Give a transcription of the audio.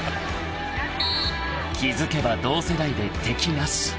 ［気付けば同世代で敵なし］